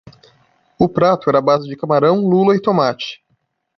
O prato era à base de camarão, lula e tomate